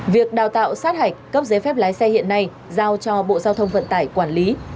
việc đào tạo sát hạch cấp giấy phép lái xe hiện nay giao cho bộ giao thông vận tải quản lý